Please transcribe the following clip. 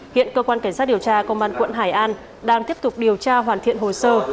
hiện cơ quan cảnh sát điều tra công an quận hải an đang tiếp tục điều tra hoàn thiện hồ sơ